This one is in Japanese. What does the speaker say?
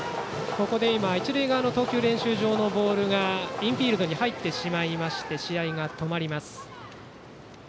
一塁側の投球練習場のボールがインフィールドに入ってしまって試合が止まります。